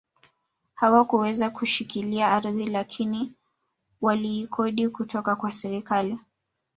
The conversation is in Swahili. Hawakuweza kushikilia ardhi lakini waliikodi kutoka kwa serikali